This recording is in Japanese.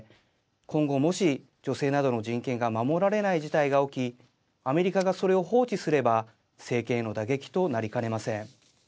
今後、もし女性などの人権が守られない事態が起きアメリカが、それを放置すれば政権への打撃となりかねません。